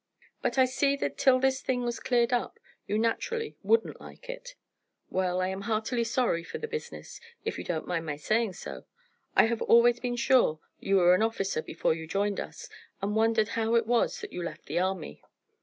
But I see that till this thing was cleared up you naturally wouldn't like it. Well, I am heartily sorry for the business, if you don't mind my saying so. I have always been sure you were an officer before you joined us, and wondered how it was that you left the army.